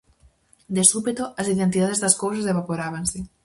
De súpeto, as identidades das cousas evaporábanse.